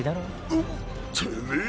うってめぇ！